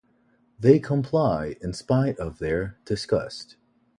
They comply in spite of their disgust.